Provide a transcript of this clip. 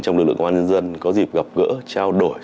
công an nhân dân có dịp gặp gỡ trao đổi